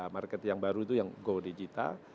market yang baru itu yang go digital